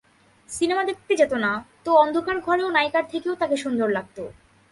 Cinema দেখতে যেতো না, তো অন্ধকার ঘরেও নায়িকার থেকেও তাকে সুন্দর লাগতো।